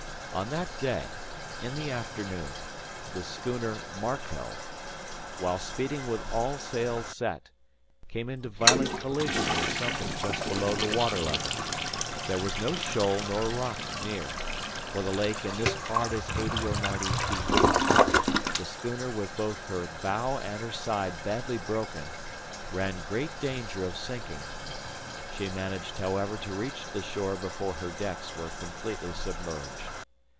On that day, in the afternoon, the schooner 'Markel' while speeding with all sails set, came into violent collision with something just below the water level. There was no shoal nor rock near; for the lake in this part is eighty or ninety feet deep. The schooner with both her bow and her side badly broken, ran great danger of sinking. She managed, however, to reach the shore before her decks were completely submerged.